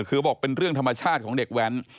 คือบอกเป็นเรื่องธรรมชาติของเด็กแว้น